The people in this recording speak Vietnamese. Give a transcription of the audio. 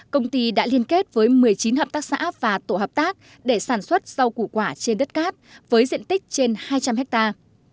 chín hợp tác xã và tổ hợp tác để sản xuất rau củ quả trên đất cát với diện tích trên hai trăm linh hectare